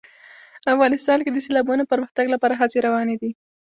افغانستان کې د سیلابونو د پرمختګ لپاره هڅې روانې دي.